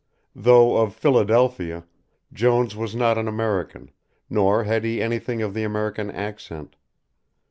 Though of Philadelphia, Jones was not an American, nor had he anything of the American accent.